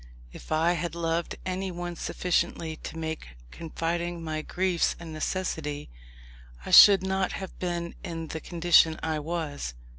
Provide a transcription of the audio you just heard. If I had loved anyone sufficiently to make confiding my griefs a necessity, I should not have been in the condition I was.